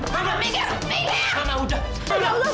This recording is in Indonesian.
mama tenang dulu ma